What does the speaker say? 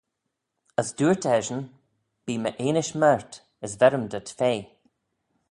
As dooyrt eshyn, Bee my enish mayrt, as ver-ym dhyt fea.